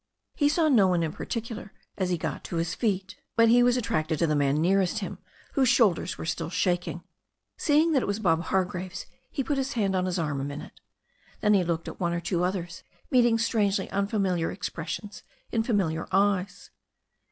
He saw no one in particular as he got to his feet. But he was attracted to the man nearest him, whose shoulders were still shaking. Seeing that it was Bob Hargraves, he put his hand on his arm a minute. Then he looked at one or two others, meeting strangely unfamiliar expressions in familiar eyes.